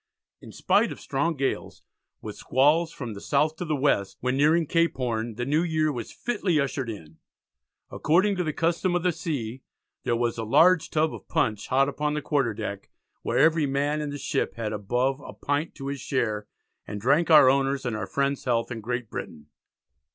In spite of "strong gales, with squalls from the south to the west," when nearing Cape Horn, the new year was fitly ushered in. According to the custom of the sea there was "a large tub of punch hot upon the Quarter Deck, where every man in the ship had above a pint to his share, and drank our owners and our friends healths in Great Britain."